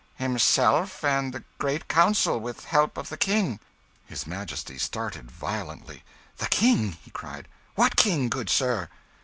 "Himself and the Great Council with help of the King." His Majesty started violently. "The King!" he cried. "What king, good sir?"